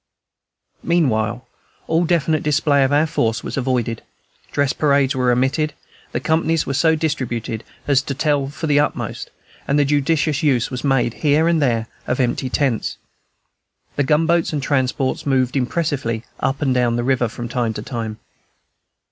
Meanwhile all definite display of our force was avoided; dress parades were omitted; the companies were so distributed as to tell for the utmost; and judicious use was made, here and there, of empty tents. The gunboats and transports moved impressively up and down the river, from time to time.